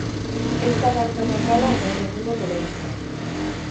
Ez da marka makala gaur egungo telebistan.